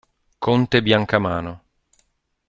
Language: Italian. Conte Biancamano